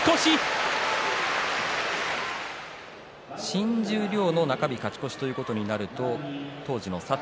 新十両の中日勝ち越しということになると当時の佐藤